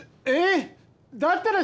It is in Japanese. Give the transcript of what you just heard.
えっ！？